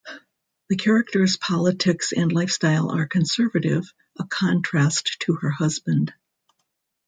The character's politics and lifestyle are conservative, a contrast to her husband.